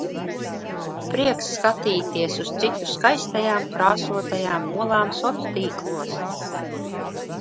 Prieks skatīties uz citu skaistajām, krāsotajām olām soctīklos.